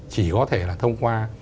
chỉ có thể là thông qua